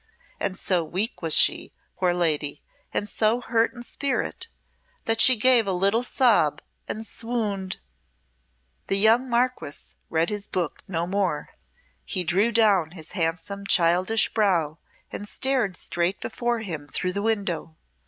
And so weak was she, poor lady, and so hurt in spirit, that she gave a little sob and swooned." The young Marquess read his book no more. He drew down his handsome childish brow and stared straight before him through the window.